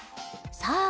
さあ